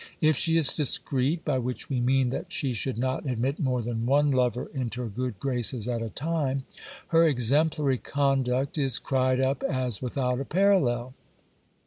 If she is discreet, by which we mean that she should not admit more than one lover into her good graces at a time, her exemplary conduct is cried up as without a parallel.